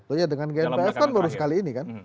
oh ya dengan gnpf kan baru sekali ini kan